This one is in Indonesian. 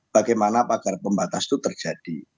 bagaimana pagar pembatas itu terjadi